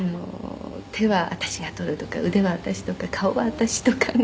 「“手は私が取る”とか“腕は私”とか“顔は私”とかね」